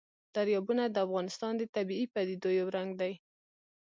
دریابونه د افغانستان د طبیعي پدیدو یو رنګ دی.